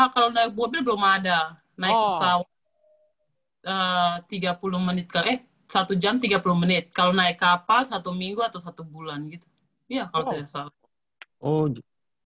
kalau naik mobil belum ada naik pesawat tiga puluh menit satu jam tiga puluh menit kalau naik kapal satu minggu atau satu bulan gitu ya kalau tidak salah